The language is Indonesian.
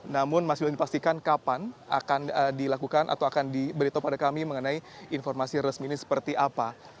namun masih belum dipastikan kapan akan diberitahu kepada kami mengenai informasi canggih resmi ini yang seperti apa